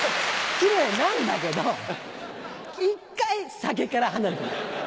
キレイなんだけど一回酒から離れてみて。